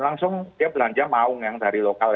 langsung belanja maung yang dari lokal